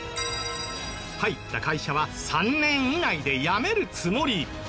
入った会社は３年以内で辞めるつもり！